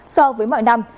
so với mọi năm